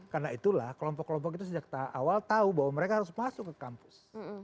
karena itulah kelompok kelompok itu sejak awal tahu bahwa mereka harus masuk ke kampus